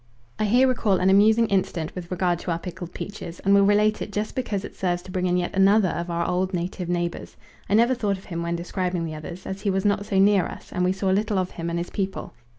I here recall an amusing incident with regard to our pickled peaches, and will relate it just because it serves to bring in yet another of our old native neighbours. I never thought of him when describing the others, as he was not so near us and we saw little of him and his people.